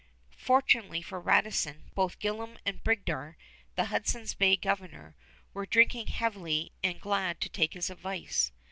Fortunately for Radisson, both Gillam and Bridgar, the Hudson's Bay governor, were drinking heavily and glad to take his advice.